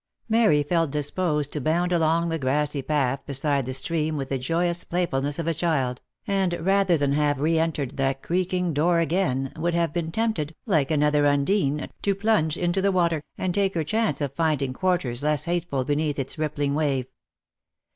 Mary felt disposed to bound along the grassy path beside the stream with the joyous playfulness of a child, and rather than have re entered that creaking door again, would have been tempted, like another Un dine, to plunge into the water, and take her chance of finding quarters less hateful beneath its rippling wave.